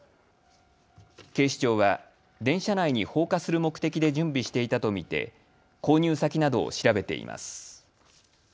警視庁は電車内に放火する目的で準備していたと見て購入先などを調べています。